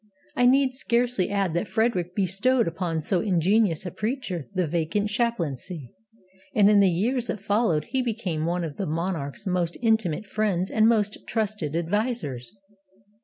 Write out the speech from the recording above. I need scarcely add that Frederick bestowed upon so ingenious a preacher the vacant chaplaincy. And in the years that followed he became one of the monarch's most intimate friends and most trusted advisers.